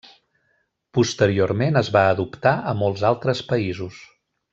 Posteriorment es va adoptar a molts altres països.